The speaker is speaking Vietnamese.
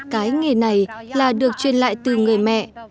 cái nghề này là được truyền lại từ người mẹ